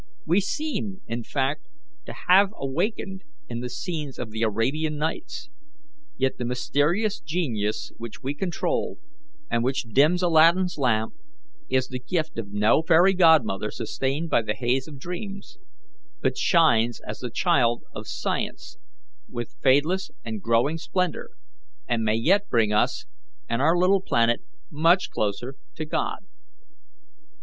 We seem, in fact, to have awakened in the scenes of the Arabian Nights; yet the mysterious genius which we control, and which dims Aladdin's lamp, is the gift of no fairy godmother sustained by the haze of dreams, but shines as the child of science with fadeless and growing splendour, and may yet bring us and our little planet much closer to God.